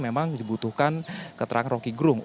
memang dibutuhkan keterangan rokigrung